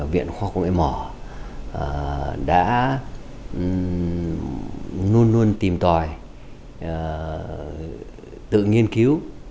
viện khoa học công nghệ mỏ đã luôn luôn tìm tòi tự nghiên cứu